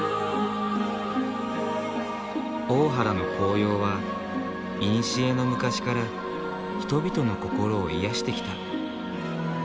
大原の紅葉はいにしえの昔から人々の心を癒やしてきた。